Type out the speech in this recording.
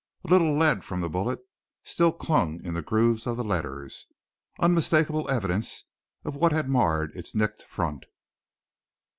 A little lead from the bullet still clung in the grooves of letters, unmistakable evidence of what had marred its nickled front.